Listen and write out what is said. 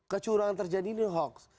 kecurangan terjadi ini hoax